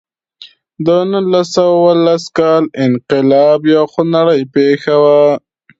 د نولس سوه اوولس کال انقلاب یوه خونړۍ پېښه وه.